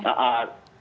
nah seperti itu